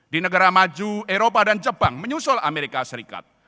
di negara maju eropa dan jepang menyusul amerika serikat